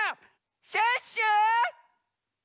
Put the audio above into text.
シュッシュ！